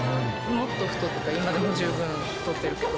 もっと太った、今でも十分太ってるけど。